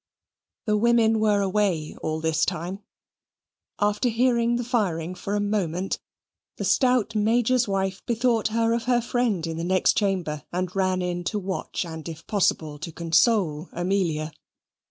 The women were away all this time. After hearing the firing for a moment, the stout Major's wife bethought her of her friend in the next chamber, and ran in to watch, and if possible to console, Amelia.